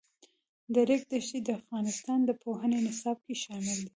د ریګ دښتې د افغانستان د پوهنې نصاب کې شامل دي.